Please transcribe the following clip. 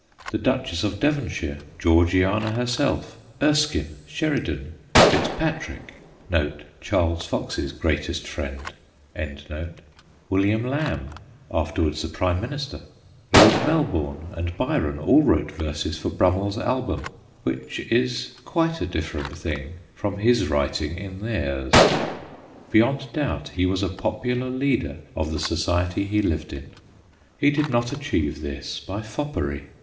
The Duchess of Devonshire, Georgiana herself, Erskine, Sheridan, Fitz Patrick (Charles Fox's greatest friend), William Lamb, afterwards the Prime Minis ter, Lord Melbourne, and Byron all wrote verses for Brummell's album which is quite a different thing from his writing in theirs. Beyond doubt he was a popular leader of the society he lived in. He did not achieve this by foppery.